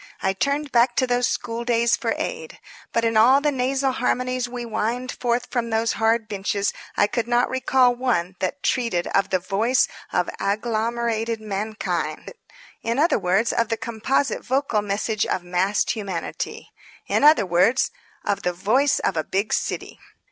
I turned back to those school days for aid. But in all the nasal harmonies we whined forth from those hard benches I could not recall one that treated of the voice of agglomerated mankind. In other words, of the composite vocal message of massed humanity. In other words, of the Voice of a Big City.